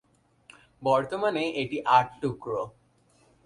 বর্তমানে এটি আট টুকরো।